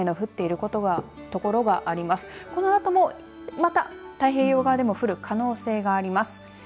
このあとも、また太平洋側でも降る可能性があります。